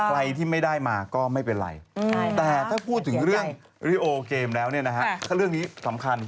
ใครที่ไม่ได้มาก็ไม่เป็นไรแต่ถ้าพูดถึงเรื่องริโอเกมแล้วเนี่ยนะฮะถ้าเรื่องนี้สำคัญ